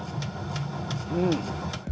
うん。